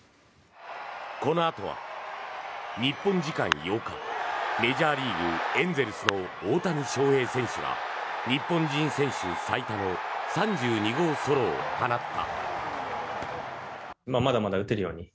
このあとは日本時間８日メジャーリーグ、エンゼルスの大谷翔平選手が日本人選手最多の３２号ソロを放った。